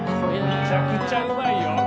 めちゃくちゃうまいよ。